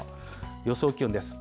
予想気温です。